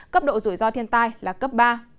cấp độ rủi ro thiên tai là cấp ba